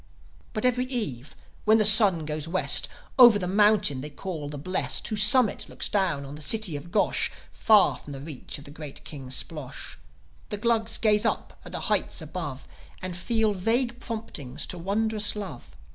But every eve, when the sun goes West, Over the mountain they call The Blest, Whose summit looks down on the city of Gosh, Far from the reach of the great King Splosh, The Glugs gaze up at the heights above, And feel vague promptings to wondrous love.